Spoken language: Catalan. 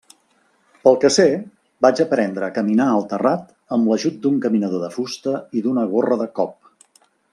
Pel que sé, vaig aprendre a caminar al terrat amb l'ajut d'un caminador de fusta i d'una gorra de cop.